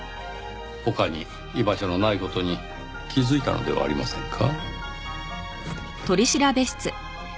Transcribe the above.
他に居場所のない事に気づいたのではありませんか？